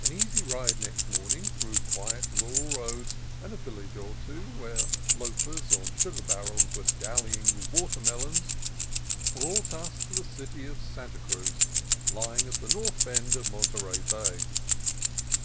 An easy ride next morning through quiet rural roads, and a village or two where loafers on sugar barrels were dallying with watermelons, brought us to the city of Santa Cruz, lying at the north bend of Monterey Bay.